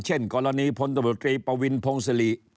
เช่นกรณีพลตำรวจตรีปวินพงศิริ